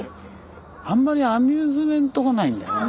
あんまりアミューズメントがないんだよな。